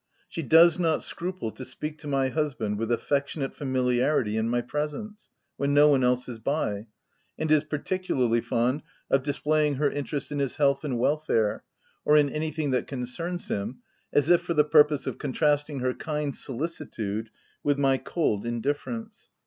She does not scruple to speak to my husband with affectionate familiarity in my presence, when no one else is by, and is particularly fond of displaying her interest in his health and wel fare, or in anything that concerns him, as if for the purpose of contrasting her kind solici tude with my cold indifference.